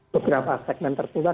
beberapa segmen tertulis